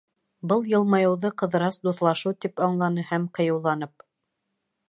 Был йылмайыуҙы Ҡыҙырас дуҫлашыу тип аңланы һәм, ҡыйыуланып: